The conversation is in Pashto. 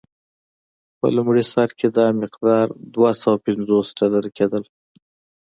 په لومړي سر کې دا مقدار دوه سوه پنځوس ډالر کېدل.